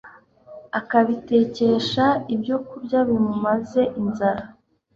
akabitekesha ibyo kurya bimumaze inzara